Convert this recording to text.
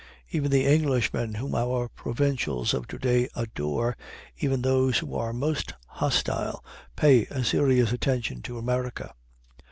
Even the Englishmen whom our provincials of to day adore, even those who are most hostile, pay a serious attention to America.